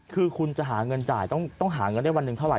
คือคุณจะหาเงินจ่ายต้องหาเงินได้วันหนึ่งเท่าไ